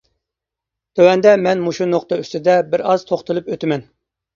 تۆۋەندە مەن مۇشۇ نۇقتا ئۈستىدە بىر ئاز توختىلىپ ئۆتىمەن.